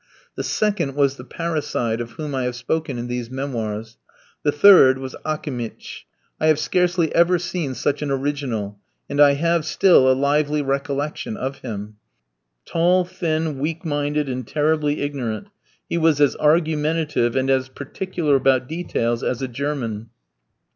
The second was the parricide of whom I have spoken in these memoirs. The third was Akimitch. I have scarcely ever seen such an original; and I have still a lively recollection of him. Tall, thin, weak minded, and terribly ignorant, he was as argumentative and as particular about details as a German.